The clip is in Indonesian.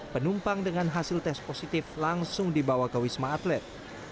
penumpang dengan hasil tes positif langsung dibawa ke wisma atlet